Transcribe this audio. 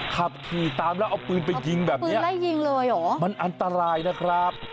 ขับขี่ตามแล้วเอาปืนไปยิงแบบนี้มันอันตรายนะครับ